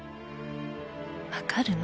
分かるの